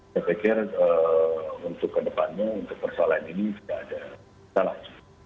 saya pikir untuk kedepannya untuk persoalan ini tidak ada salah